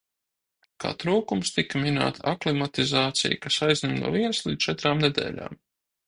Kā trūkums tika minēta aklimatizācija, kas aizņem no vienas līdz četrām nedēļām.